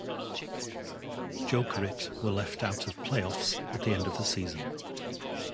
Jokerit were left out of Play Offs at the end of the season.